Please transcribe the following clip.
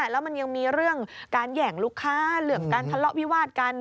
แล้วมันยังมีเรื่องการแหย่งลูกค้าเรื่องการทะเลาะวิวาดกัน